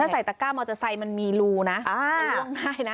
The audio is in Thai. ใส่ตะก้ามอเตอร์ไซค์มันมีรูนะมันล่วงได้นะ